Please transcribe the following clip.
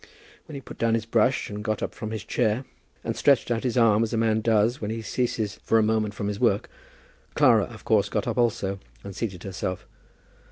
When he put down his brush, and got up from his chair, and stretched out his arm as a man does when he ceases for a moment from his work, Clara of course got up also, and seated herself.